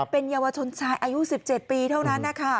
เป็นเยาวชนชายอายุ๑๗ปีเท่านั้นนะคะ